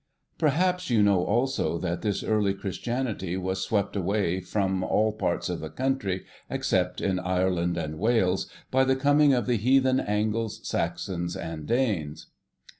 Perhaps you know also that this early Christianity was swept away from all parts of the country, except in Ireland and Wales, by the coming of the heathen Angles, Saxons, and Danes.